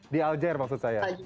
di aljair maksud saya